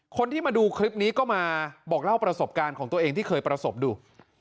คนที่มาดูคลิปนี้ก็มาบอกเล่าประสบการณ์ของตัวเองที่เคยประสบดู